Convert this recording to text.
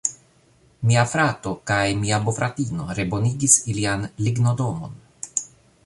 Mia frato kaj mia bofratino rebonigis ilian lignodomon.